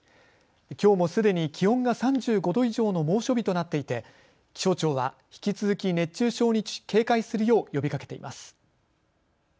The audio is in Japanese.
きょうもすでに気温が３５度以上の猛暑日となっていて気象庁は引き続き熱中症に警戒するよう呼びかけています。